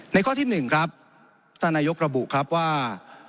ในข้อที่หนึ่งครับตารนายกระบุครับว่า